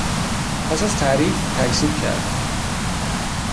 پس از تعریف تکذیب کردن